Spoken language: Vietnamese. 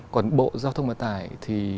còn bộ giao thông mặt tải thì